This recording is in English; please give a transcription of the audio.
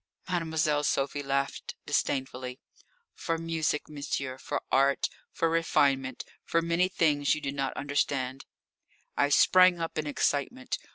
Mademoiselle Sophie laughed disdainfully. "For music, monsieur, for art, for refinement, for many things you do not understand." I sprang up in excitement.